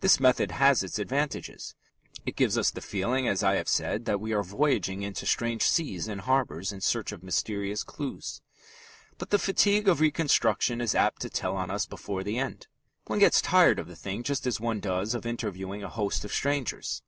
This method has its advantages. It gives us the feeling, as I have said, that we are voyaging into strange seas and harbours in search of mysterious clues. But the fatigue of reconstruction is apt to tell on us before the end. One gets tired of the thing just as one does of interviewing a host of strangers.